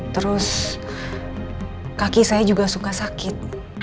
terus kaki saya juga suka sakit